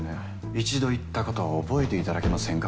１度言ったことは覚えていただけませんか？